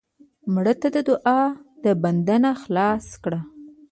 مړه ته د دوعا د بند نه خلاص کړه